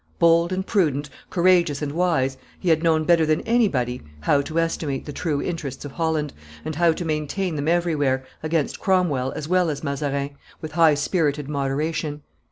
Bold and prudent, courageous and wise, he had known better than anybody how to estimate the true interests of Holland, and how to maintain them everywhere, against Cromwell as well as Mazarin, with high spirited moderation.